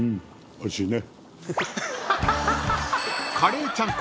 おいしいね」